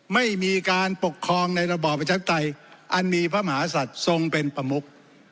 ไม่มีการปกครองในระบอบประชาธิปไตยอันมีพระมหาศัตริย์ทรงเป็นประมุก